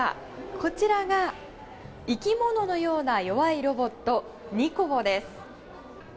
こちらが生き物のような弱いロボットＮＩＣＯＢＯです。